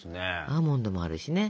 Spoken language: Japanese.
アーモンドもあるしね。